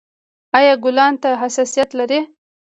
ایا ګلانو ته حساسیت لرئ؟